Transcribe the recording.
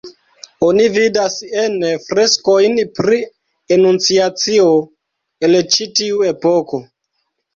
Oni vidas ene freskojn pri anunciacio el ĉi tiu epoko.